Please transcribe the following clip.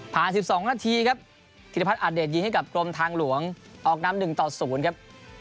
๑๒นาทีครับธิรพัฒนอาเดชยิงให้กับกรมทางหลวงออกนำ๑ต่อ๐ครับ